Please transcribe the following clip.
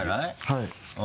はい。